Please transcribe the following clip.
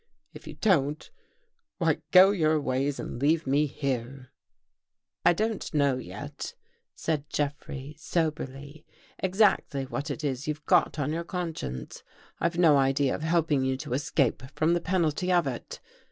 If you don't, why go your ways and leave me here." " I don't know yet," said Jeffrey, soberly, ex actly what it is that you've got on your conscience. I've no idea of helping you to escape from the penalty of it.